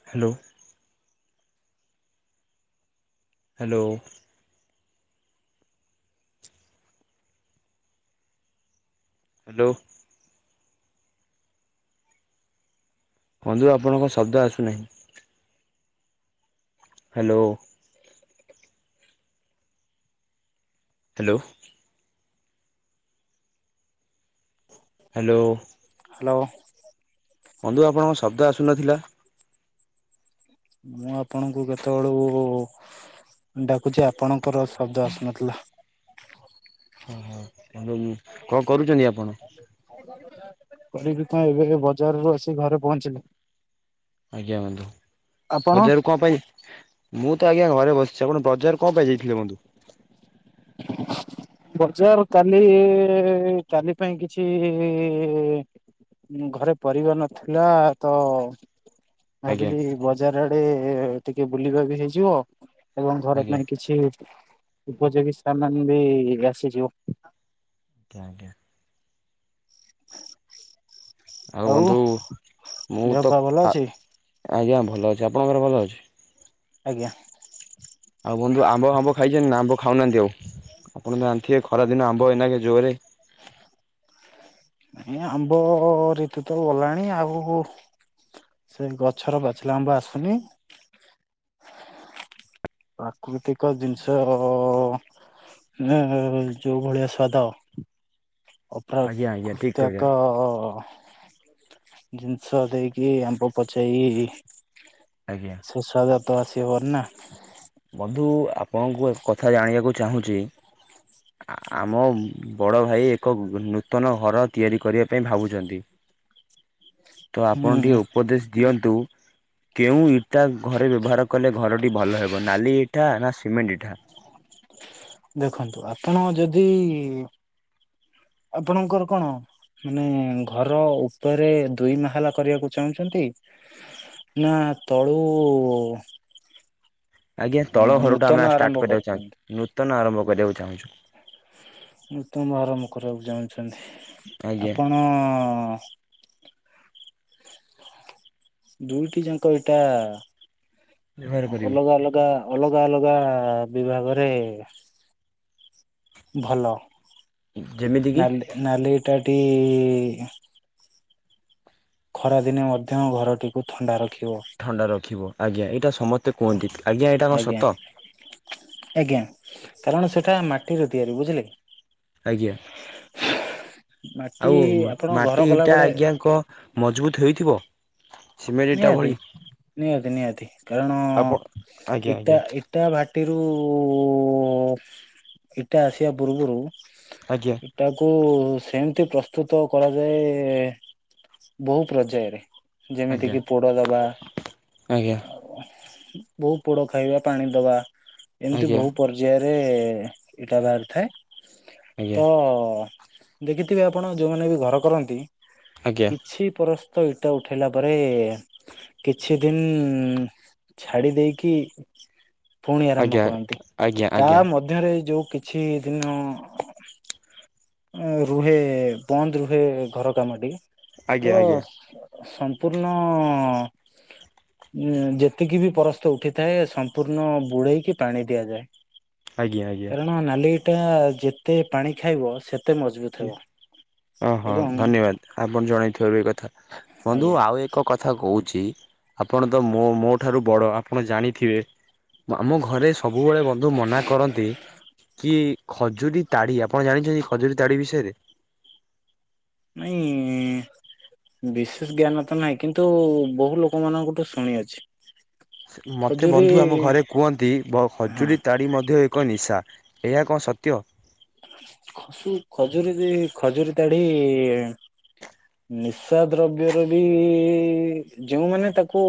Hello. Hello. Hello. ବନ୍ଧୁ ଆପଣଙ୍କ ଶବ୍ଦ ଆସୁନାହିଁ। ହ୍ୟାଲୋ। ହ୍ୟାଲୋ। ହ୍ୟାଲୋ। ହ୍ୟାଲୋ। ବନ୍ଧୁ ଆପଣଙ୍କ ଶବ୍ଦ ଆସୁନଥିଲା? ମୁଁ ଆପଣଙ୍କୁ କେତେବେଳୁ ମୁ ଡାକୁଚ ଆପଣଙ୍କର ଶବ୍ଦ ଆସୁନଥିଲା। ଓ ହୋ ବନ୍ଧ କଣ କରୁଛନ୍ତି ଆପଣ? କରିବି ତ ଏବେ ବଜାରରୁୁ ଆସି ଘରେ ପହଞ୍ଚିଲି। ଆଜ୍ଞା ବନ୍ଧୁ ଆପଣ ମଜାରୁ କଣ ପାଇଁ? ମୁଁ ତ ଆଜ୍ଞା ଘରେ ବସିଛି ଆପଣ ବଜାର କଣ ପାଇଁ ଯାଇଥିଲେ ବନ୍ଧୁ? ବଜାର କାଲି କାଲି ପାଇଁ କିଛି ଘରେ ପରିବାର ନଥିଲା ତ। ଆଜ୍ଞା ଭାବିଲି ବଜାର ଆଡେ ଟିକେ ବୁଲିବା ବି ହେଇଯିବ ଏବଂ ଘର ଆଜ୍ଞା ପାଇଁ କିଛି ଉପଯୋଗୀ ସମାନ ବି ଆସିଯିବ। ଆଜ୍ଞା ଆଜ୍ଞା। ଆଉ ବନ୍ଧୁ ମୁଁ ଦେହ ତ ପା ଭଲ ଅଛି? ଆଜ୍ଞା ଭଲ ଅଛି, ଆପଣଙ୍କର ଭଲ ଅଛି? ଆଜ୍ଞା, ଆଉ ବନ୍ଧୁ ଆମ୍ବ ଆମ୍ବ ଖାଇଛନ୍ତି ନା ଆମ୍ବ ଖାଉନାହାନ୍ତି, ଆଉ ଆପଣ ଜାଣିଥିବେ ଖରାଦିନ ଆମ୍ବ ଏଇନା ଜୋରରେ ନାଇଁ ଆମ୍ବ ଋତୁ ତ ଗଲାଣି ଆଗକୁ ସେ ଗଛର ପାଚିଲା ଆମ୍ବ ଆସୁନି, ପ୍ରାକୃତିକ ଜିନିଷ ଯୋଉ ଭଳିଆ ସ୍ଵାଦ ଆଜ୍ଞା ଆଜ୍ଞା ଠିକ୍ କହିଲେ ଅପରାକୃତ୍ୟକ ଜିନିଷ ଦେଇକି ଆମ୍ବ ପଚେଇ ଆଜ୍ଞା ସୁସ୍ଵାଦ ତ ଆସିବନି ନା। ବନ୍ଧୁ, ଆପଣଙ୍କୁ ଏକ କଥା ଜାଣିବାକୁ ଚାହୁଁଛି। ଆମ ବଡ଼ ଭାଇ ଏକ ନୂତନ ଘର ତିଆରି କରିବା ପାଇଁ ଭାବୁଛନ୍ତି, ତ ଆପଣ ଟିକେ ହୁଁ ଉପଦେଶ ଦିଅନ୍ତୁ। କି କେଉଁ ଇଟା ଘରେ ବ୍ୟବହାର କଲେ ଘରଟି ଭଲ ହେବ? ନାଲି ଏଇଠା ନା ସିମେଣ୍ଟ ଏଇଠା? ଦେଖନ୍ତୁ ଆପଣ ଯଦି ଆପଣଙ୍କର କଣ ମାନେ ଘର ଉପରେ ଦୁଇ ମା ହେଲା କରିବାକୁ ଚାହୁଁଛନ୍ତି ନା ତଳୁ? ଆଜ୍ଞା ତଳ ଘର ଟା ନୂତନ ଆମେ ଆରମ୍ଭ ଷ୍ଟାର୍ଟ କରିକୁ ଚାହୁଁଛୁ, କରୁଛନ୍ତି ନୂତନ ଆରମ୍ଭ କରିବାକୁ ଚାହୁଁଛୁ, ନୂତନ ଆରମ୍ଭ କରିବାକୁ ଚାହୁଁଛନ୍ତି ଆଜ୍ଞା। ଆପଣ ଦୁଇଟି ଯାକ ଏଇଟା ବ୍ୟବହାର କରିବୁ ଅଲଗା ଅଲଗା ଅଲଗା ଅଲଗା ବିଭାଗରେ ଭଲ ଯେମିତି କିି ନାଲି ନାଲିଟାଟି ଖରାଦିନେ ମଧ୍ୟ ଘରଟିକୁ ଥଣ୍ଡା ରଖିବ, ଥଣ୍ଡା ରଖିବ ଆଜ୍ଞା ଏଇଟା ସମସ୍ତେ କୁହନ୍ତି, ଆଜ୍ଞା ଏଇଟା କଣ ସତ? ଆଜ୍ଞା କାରଣ ସେଟା ମାଟିରେ ତିଆରି ବୁଝିଲେ କି? ଆଜ୍ଞା, ମାଟି ଆଉ ଆପଣ ଘର ମାଟି କଲା ଇଟା ବେଳେ ଆଜ୍ଞା କ ମଜବୁତ ହେଇଥିବ? ସିମେଣ୍ଟ ଇଟା ନିହାତି ଭଳି ନିହାତି ନିହାତି କାରଣ ଆପଣ ଆଜ୍ଞା ଇଟା ଆଜ୍ଞା ଇଟା ଭ ଭାଟିରୁ ଇଟା ଆସିବା ପୂର୍ବରୁ ଆଜ୍ଞା ଇଟାକୁ ସେମ ପ୍ରସ୍ତୁତ କରାଯାଏ ବହୁ ପର୍ଯ୍ୟାୟରେ ଆଜ୍ଞା ଏତିକି ପୋଡ଼ ଦବା ଆଜ୍ଞା ଆଉ ବହୁତ ପୋଡ଼ ଖାଇବା ପାଣି ଦବା ଏମିତି ଆଜ୍ଞା। ବହୁ ପର୍ଯ୍ୟାୟରେ ଇଟା ବାହାରିଥାଏ । ତ ଦେଖିଥିବେ ଆପଣ ଯୋଉମାନେ ବି ଘର କରନ୍ତି ଆଜ୍ଞା କିଛି ପରସ୍ତ ଇଟା ଉଠେଇଲା ପରେ କିଛି ଦିନ ଛାଡି ଦେଇକି ପୁଣି ଆରମ୍ଭ ଆଜ୍ଞା କରନ୍ତି, ଆଜ୍ଞା ତା ଆଜ୍ଞା ମଧ୍ୟରେ ଯୋଉ କିଛି ଦିନ ରୁହେ ବନ୍ଦ ରୁହେ ଘର କାମଟି ଆଜ୍ଞା ଆଜ୍ଞା ତ ସମ୍ପୂର୍ଣ୍ଣ ଯେତିକି ବି ପରସ୍ତ ଉଠିଥାଏ, ସମ୍ପୂର୍ଣ୍ଣ ବୁଡେଇକି ପାଣି ଦିଆଯାଏ । ଆଜ୍ଞା ଆଜ୍ଞା ଆଜ୍ଞା। କାରଣ ନାଲି ଟା ଯେତେ ପାଣି ଖାଇବ ସେତେ ମଜବୁତ ହେବ ଓ ହଁ, ଏବଂ ଧନ୍ୟବାଦ ଆପଣ ଜଣେଇଥିବାରୁ ଏ କଥା ବନ୍ଧୁ ଆଜ୍ଞା ଆଉ ଏକ କଥା କୁହ। କହୁଛି ଆପଣ ତ ମୋ ଠାରୁ ବଡ ଆପଣ ଜାଣିଥିବେ ଘରେ ସବୁବେଳେ ବନ୍ଧୁ ମନା କରନ୍ତି କି ଖଜୁରୀ ତାଡି ଆପଣ ଜାଣିଛନ୍ତି ଖଜୁରୀ ତାଡି ବିଷୟରେ? ନାଇଁ ବିଶେଷ ଜ୍ଞାନ ତ ନାହିଁ କିନ୍ତୁ ବହୁ ଲୋକମାନଙ୍କଠୁ ଶୁଣିଅଚି। ମୋତେ ବନ୍ଧୁ ଆମ ଘରେ କୁହନ୍ତି ହଁ ହଜୁୁରୀ ତାଡ଼ି ମଧ୍ୟ ଏକ ନିଶା, ଏହା କଣ ସତ୍ୟ? ଖସୁ ଖଜୁରୀ ରେ ଖଜୁରୀ ତାଡ଼ି ନିଶା ଦ୍ରବ୍ୟ ର ବି ଯଉମାନେ ତାକୁ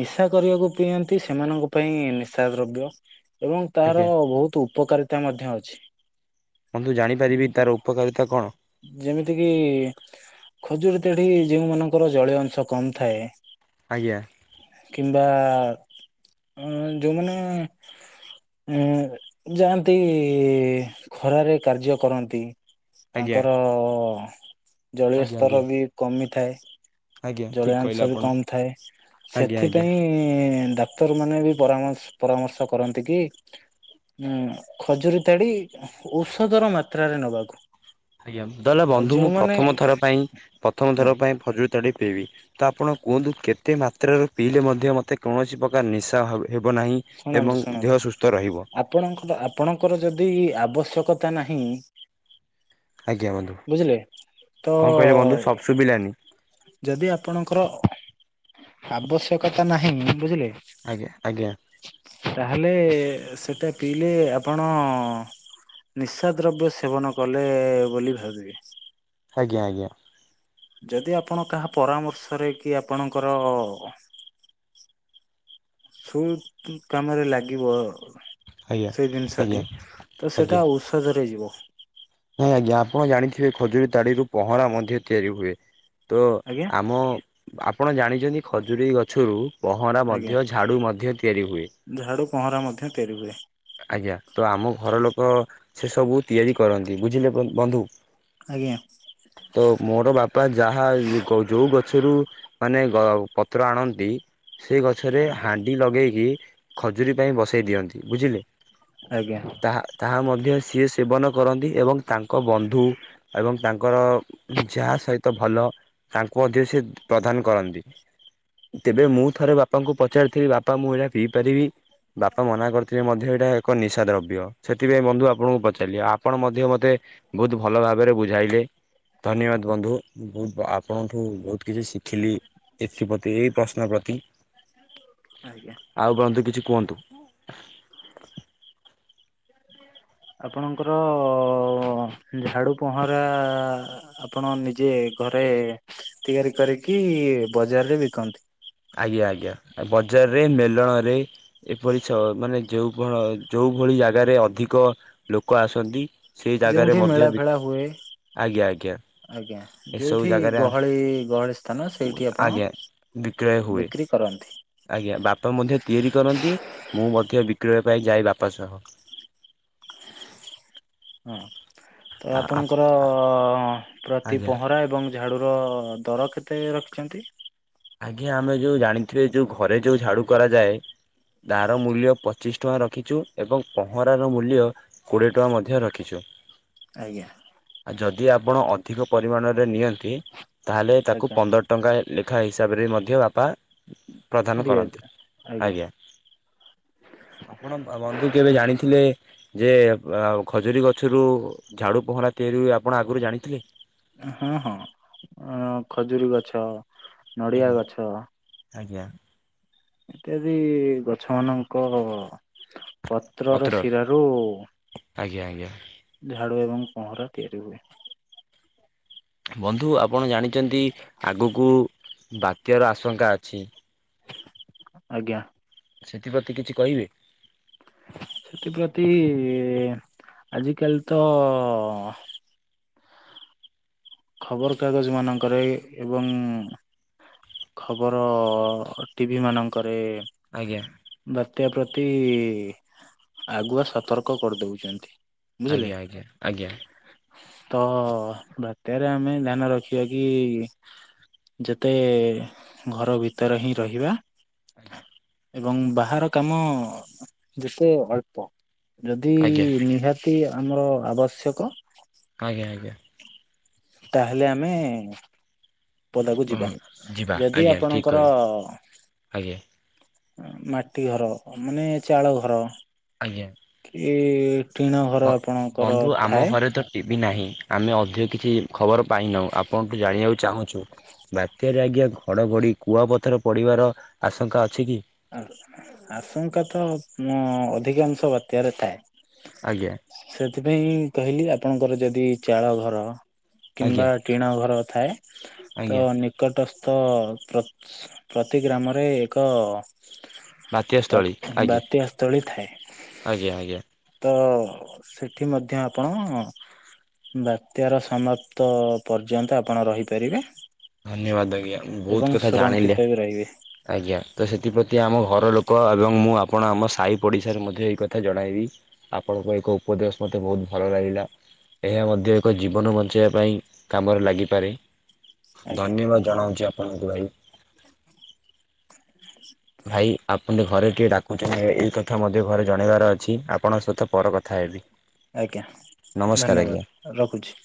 ନିଶା କରିବାକୁ ପିଅନ୍ତି ସେମାନଙ୍କ ପାଇଁ ନିଶା ଦ୍ରବ୍ୟ ଏବଂ ତାର ଆଜ୍ଞା ବହୁତ ଉପକାରିତା ମଧ୍ୟ ଅଛି । ବନ୍ଧୁ ଜାଣିପାରିବି ତାର ଉପକାରିତା କଣ? ଯେମିତି କିି ଖଜୁରୀ ତା ଏଇ ଯେଉଁ ମାନଙ୍କର ଜଳୀୟ ଅଂଶ କମ ଥାଏ ଆଜ୍ଞା କିମ୍ବା ହଁ ଯୋଉମାନେ ଉ ଯାଆନ୍ତି। ଖରାରେ କାର୍ଯ୍ୟ କରନ୍ତି ଆଜ୍ଞା ତାଙ୍କର ଜଳୀୟ ଆଜ୍ଞା ସ୍ତର ଆଜ୍ଞା ବି କମିଥାଏ ଆଜ୍ଞା । ଜଳୀୟ ଠିକ୍ କହିଲେ ଅଂଶ ବି ଆପଣ କମ ଥାଏ ଆଜ୍ଞା ଆଜ୍ଞା। ସେଥିପାଇଁ ଡା ଡାକ୍ତର ମାନେ ବି ପରାମ ପରାମର୍ଶ କରନ୍ତି କି ଉ ଖଜୁରୀ ତାଡି ଔଷଧର ମାତ୍ରାରେ ନବାକୁ ଆଜ୍ଞା ଯେତେ ହେଲେ ଆଉ ବନ୍ଧୁ ମୁଁ ଯୋଉମାନେ ପ୍ରଥମ ଥର ପାଇଁ ପ୍ରଥମ ହଁ ଥର ପାଇଁ ‌ଖଜୁ ତାଡି ପିଇବି ତ ଆପଣ କୁହନ୍ତୁ କେତେ ମାତ୍ରାରେ ପିଇଲେ ମଧ୍ୟ ମୋତେ କୌଣସି ପ୍ରକାର ନିଶା ହ ହେ ଶୁଣନ୍ତୁ ଶୁଣନ୍ତୁ ଆପଣଙ୍କ ଆପଣଙ୍କର ଯଦି ଆବଶ୍ୟକତା ନାହିଁ । ଆଜ୍ଞା ବନ୍ଧୁ ବୁଝିଲେ ତ କଣ କହିଲେ ବନ୍ଧୁ ସବ ଶୁଭିଲାନି ଯଦି ଆପଣଙ୍କର ଆବଶ୍ୟକତା ନାହିଁ ବୁଝିଲେ ଆଜ୍ଞା ଆଜ୍ଞା। । ତାହେଲେ ସେଟା ପିଇଲେ ଆପଣ ନିଶା ଦ୍ରବ୍ୟ ସେବନ କଲେ ବୋଲି ଭାବିବେ । ଆଜ୍ଞା ଆଜ୍ଞା। ଯଦି ଆପଣ କାହା ପରାମର୍ଶରେ କି ଆପଣଙ୍କର ସୁଟ କାମରେ ଲାଗିବ ଆଜ୍ଞା । ସେଇ ଆଜ୍ଞା ଜିନିଷଟି ତ ଆଜ୍ଞା ସେଇଟା ଔଷଧରେ ଯିବ । ନାଇଁ ଆଜ୍ଞା ଆପଣ ଜାଣିଥିବେ ଖଜୁରୀ ତାଡିରୁ ପହଁରା ମଧ୍ୟ ତିଆରି ହୁଏ । ତ ଆଜ୍ଞା ଆମ ଆପଣ ଜାଣିଛନ୍ତି ଖଜୁରୀ ଗଛରୁ ପହଁରା ଆଜ୍ଞା ମଧ୍ୟ ଝାଡ଼ୁ ମଧ୍ୟ ତିଆରି ହୁଏ । ଝାଡୁ ପହଁରା ମଧ୍ୟ ତିଆରି ହୁଏ । ଆଜ୍ଞା ତ ଆମ ଘର ଲୋକ ସେ ସବୁ ତିଆରି କରନ୍ତି । ବୁଝିଲେ ବନ୍ଧୁ ଆଜ୍ଞା । ତ ମୋର ବାପା ଯାହା ଯୋଉ ଗଛରୁ ମାନେ ପତ୍ର ଆଣନ୍ତି ସେ ଗଛରେ ଆଜ୍ଞା ହାଣ୍ଡି ଲଗେଇକି ଖଜୁରୀ ପାଇଁ ବସେଇ ଦିଅନ୍ତି । ବୁଝିଲେ ଆଜ୍ଞା ତାହା ତାହା ମଧ୍ୟ ମଧ୍ୟ ସିଏ ସେବନ କରନ୍ତି ଏବଂ ତାଙ୍କ ବନ୍ଧୁ ଏବଂ ତାଙ୍କର ଯାହା ସହିତ ଭଲ ତାଙ୍କୁ ମଧ୍ୟ ସେ ପ୍ରଦାନ କରନ୍ତି । ତେବେ ମୁଁ ଥରେ ବାପାଙ୍କୁ ପଚାରିଥିଲି ବାପା ମୁଁ ଏଇଟା ପିଇ ପାରିବି । ବାପା ମନା କରିଥିଲେ ମଧ୍ୟ ଟା ଏକ ନିଶା ଦ୍ରବ୍ୟ । ସେଥିପାଇଁ ବନ୍ଧୁ ଆପଣଙ୍କୁ ପଚାରିଲେ ଆପଣ ମଧ୍ୟ ମତେ ବହୁତ ଭଲ ଭାବରେ ବୁଝାଇ ଏବେ ଧନ୍ୟବାଦ ବନ୍ଧୁ ମୁଁ ଆପଣଙ୍କଠୁ ବହୁତ କିଛି ଶିଖିଲି । ଏଥିପ୍ରତି ପ୍ରଶ୍ନ ପ୍ରତି ଆଜ୍ଞା। ଆଉ ବନ୍ଧୁ କିଛି କୁହନ୍ତୁ? ଆପଣଙ୍କର ଝାଡୁ ପହଁରା ଆପଣ ନିଜେ ଘରେ ତିଆରି କରିକି ବଜାରରେ ବିକନ୍ତି । ଆଜ୍ଞା ଆଜ୍ଞା ବଜାରରେ ମେଲଣ ରେ ଏପରି ଛ ମାନେ ଯୋଉ ଫଳ ଯୋଉ ଯେଉ ଭଳି ଜାଗାରେ ଅଧିକ ଲୋକ ଆସନ୍ତି ସେ ଜାଗାରେ ଯୋଉଠି ମଧ୍ୟ ମେଳା ଵି ଫେଳା ହୁଏ ଆଜ୍ଞା ଆଜ୍ଞା। ଆଜ୍ଞା ଏସବୁ ଯୋଉଠି ଜାଗାରେ ଗହଳି ଗହଳି ସ୍ଥାନ ସେଇଠି ଆପଣ ଆଜ୍ଞା ବିକ୍ରୟ ହୁଏ ବିକ୍ରି କରନ୍ତି ଆଜ୍ଞା ବାପା ମଧ୍ୟ ତିଆରି କରନ୍ତି ମୁ ମଧ୍ୟ ବିକ୍ରୟ ପାଇଁ ଯାଏ ବାପା ସହ। ହଁ ତ ଆପଣଙ୍କର ପ୍ରତି ଆଜ୍ଞା ପହଁରା ଏବଂ ଝାଡ଼ୁର ଦର କେତେ ରଖିଛନ୍ତି? ଆଜ୍ଞା ଆମେ ଯୋଉ ଜାଣିଥିବେ ଯୋଉ ଘରେ ଯୋଉ ଝାଡୁ କରାଯାଏ। ଦାର ମୂଲ୍ୟ ପଚିଶ ଟଙ୍କା ରଖିଛୁ ଏବଂ ପହଁରାର ମୂଲ୍ୟ କୋଡ଼ିଏ ଟଙ୍କା ମଧ୍ୟ ରଖିଛୁ। ହ ଆଜ୍ଞା। ଯଦି ଆପଣ ଅଧିକ ପରିମାଣରେ ନିଅନ୍ତି। ତାହାଲେ ତାଙ୍କୁ ଆଜ୍ଞା ପନ୍ଦର ଟଙ୍କା ଲେଖା ହିସାବରେ ହିସାବରେ ମଧ୍ୟ ବାପା ପ୍ରଦାନ ଦି କରନ୍ତି ହଜାର ଆଜ୍ଞା। ଆପଣ ବନ୍ଧୁ କେବେ ଜାଣିଥିଲେ ଯେ ଖଜୁରୀ ଗଛରୁ ଝାଡୁ ପହଁରା ତିଆରି ହ ଆପଣ ଆଗରୁ ଜାଣିଥିଲେ? ହଁ ହଁ ଖଜୁରୀ ଗଛ ନଡ଼ିଆ ଆଜ୍ଞା ଗଛ, ଆଜ୍ଞା ଇତ୍ୟାଦି ଗଛ ମାନଙ୍କ ପତ୍ର ପତ୍ରର ଶିରାରୁୁ ଆଜ୍ଞା ଆଜ୍ଞା। ଝାଡ଼ୁ ଏବଂ କହରା ତିଆରି ହୁଏ। ବନ୍ଧୁ ଆପଣ ଜାଣିଛନ୍ତି ଆଗକୁ ବାତ୍ୟାର ଆଶଙ୍କା ଅଛି? ଆଜ୍ଞା। ସେଥିପ୍ରତି କିଛି କହିବେ? ସେଥିପ୍ରତି ଆଜିକାଲି ତ ଖବରକାଗଜ ମାନଙ୍କରେ ଏବଂ ଖବର ଟିଭି ମାନଙ୍କରେ ଆଜ୍ଞା ବା ତ ପ୍ରତି ଆଗୁଆ ସତର୍କ କରିଦେଉଛନ୍ତି। ଆଜ୍ଞା ଆଜ୍ଞା ଆଜ୍ଞା। ତ ବାତ୍ୟାରେ ଆମେ ଧ୍ୟାନ ରଖିବା କି ଯେତେ ଘର ଭିତରେ ହିଁ ରହିବା। ଆଜ୍ଞା। ଏବଂ ବାହାର କାମ ଯେତେ ଅଳ୍ପ ଯଦି ଆଜ୍ଞା ରହାତି ଆମର ଆବଶ୍ୟକ ଆଜ୍ଞା, ଆ ତାହେଲେ ଆମେ ପଦାକୁ ଉଁ ଯିବା, ଯିବା ଯଦି ଆଜ୍ଞା ଠିକ୍ ଆପଣଙ୍କର କହିଲେ ଆଜ୍ଞା ମାଟି ଘର ମାନେ ଚାଳ ଘର ଆଜ୍ଞା। ଏ ବନ୍ଧୁ ଆମ ଘରେ ତ ଟିଭି ନାହିଁ। ଆମେ ଅଧିକ କିଛି ଖବର ପାଇନାହୁଁ ଆପଣଠୁ ଜାଣିବାକୁ ଚାହୁଁ ଛୁ, ବାତ୍ୟାରେ ଆଜ୍ଞା ଘଡ଼ଘଡ଼ି କୁଆପଥର ପଡ଼ିବାର ଆଶଙ୍କା ଅଛି କି? ଆଶଙ୍କା ତ ଅଧିକାଂଶ ବାତ୍ୟାରେ ଥାଏ। ଆଜ୍ଞା। ସେଥିପାଇଁ କହିଲି ଆପଣଙ୍କର ଯଦି ଚାଳ ଘର ଆଜ୍ଞା କିମ୍ବା ଟିଣା ଘର ଥାଏ ତ ଆଜ୍ଞା ନିକ ଟସ୍ଥ ପ୍ରତି ଗ୍ରାମରେ ଏକ ବାତ୍ୟାସ୍ଥଳୀ ଆଜ୍ଞା ବାତ୍ୟା ସ୍ଥଳୀ ଆଜ୍ଞା ଥାଏ ଆଜ୍ଞା ତ ସେଠି ମଧ୍ୟ ଆପଣ ବାତ୍ୟାର ସମାପ୍ତ ପର୍ଯ୍ୟନ୍ତ ଆପଣ ରହିପାରିବେ। ଧନ୍ୟବାଦ ଆଜ୍ଞା ବହୁତ ଏବଂ କଥା ଜାଣିଲେ ସୁରକ୍ଷିତ ବି ରହିବେ ଆଜ୍ଞା ତ ସେଥିପ୍ରତି ଆମ ଘର ଲୋକ ଏବଂ ମୁଁ ଆପଣ ଆମ ସାହି ପଡିଶାରେ ମଧ୍ୟ ଏଇ କଥା ଜଣାଇବି ଆପଣଙ୍କ ଏକ ଉପଦେଶ ମ ମୋତେ ବହୁତ ଭଲ ଲାଗିଲା। ଏହା ମଧ୍ୟ ଏକ ଜୀବନ ବଞ୍ଚାଇବା ପାଇଁ କାମରେ ଲାଗିପାରେ। ଆଜ୍ଞା ଧନ୍ୟବାଦ ଜଣାଉଛି ଆପଣଙ୍କୁ ଭାଇ। ଭାଇ ଆପଣ ଟ ଘରେ ଟିକଏ ଡାକୁଛନ୍ତି ଏଇ କଥା ମଧ୍ୟ ଘରେ ଜଣେଇବାର ଅଛି ଆପଣଙ୍କ ସହିତ ପର କଥା ହେବି। ଆଜ୍ଞା ନମସ୍କାର ଧନ୍ୟବାଦ ଆଜ୍ଞା। ରଖୁଛି।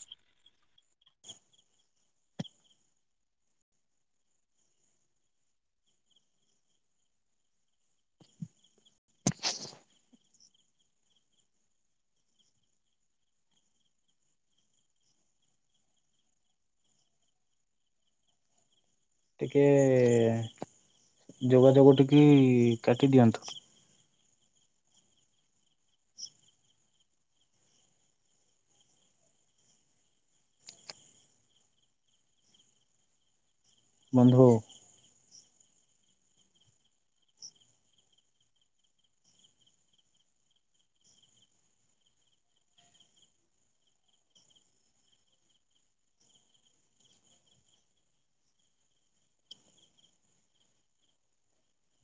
ଟିକେ ଯୋଗାଯୋଗ ଟିକି କାଟିଦିଅନ୍ତୁ। ବନ୍ଧୁ।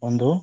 ବନ୍ଧୁ।